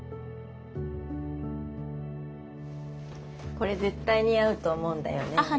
これ絶対似合うと思うんだよね。